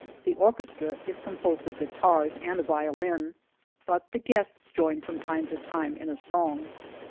The orchestra is composed of guitars and a violin, but the guests Join from time to time in a song